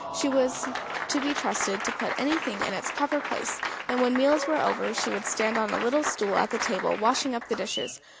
She was to be trusted to put anything in its proper place, and when meals were over she would stand on a little stool at the table washing up the dishes.